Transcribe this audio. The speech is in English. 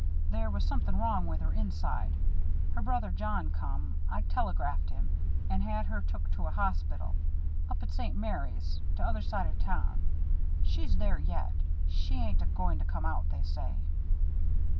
There was something wrong with her inside. Her brother John come I telegraphed him and had her took to a hospital. Up at St. Mary's t'other side of town. She's there yet. She ain't a goin' to come out, they say."